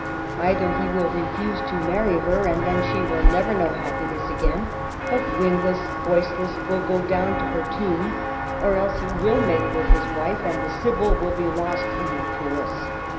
Either he will refuse to marry her, and then she will never know happiness again* but wingless, voiceless, will go down to her tomb, or else he will make her his wife, and the Sibyl will be lost in the peeress.